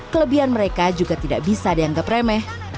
kelebihan mereka juga tidak bisa dianggap remeh